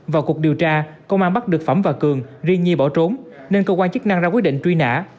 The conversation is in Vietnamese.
vào cuộc điều tra công an bắt được phẩm và cường riêng nhi bỏ trốn nên cơ quan chức năng ra quyết định truy nã